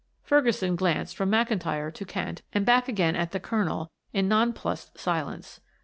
Ferguson glanced from McIntyre to Kent and back again at the Colonel in non plussed silence.